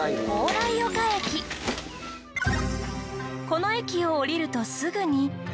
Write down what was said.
この駅を降りるとすぐに。